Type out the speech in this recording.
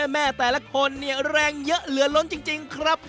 แม่แต่ละคนเนี่ยแรงเยอะเหลือล้นจริงครับ